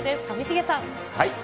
上重さん。